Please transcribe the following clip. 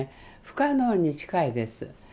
不可能に近いです。